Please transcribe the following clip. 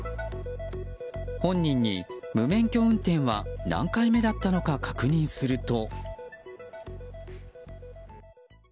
本人に無免許運転は何回目だったのか確認すると。